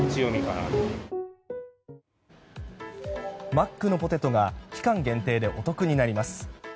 マックのポテトが期間限定でお得になります。